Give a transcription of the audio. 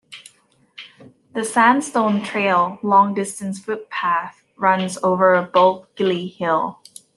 The Sandstone Trail long-distance footpath runs over Bulkeley Hill.